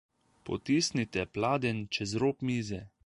Potisnite pladenj čez rob mize.